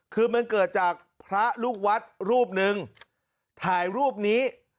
คือมันเกิดจากพระลูกวัดรูปหนึ่งถ่ายรูปนี้